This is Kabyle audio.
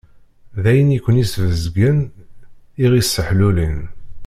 D ayen i ken-isbezgen, i ɣ-isseḥlulin.